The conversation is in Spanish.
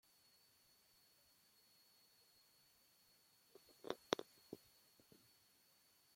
Se ubica sobre las vías del Ferrocarril General Roca.